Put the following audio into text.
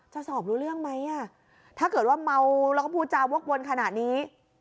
สอบรู้เรื่องไหมอ่ะถ้าเกิดว่าเมาแล้วก็พูดจาวกวนขนาดนี้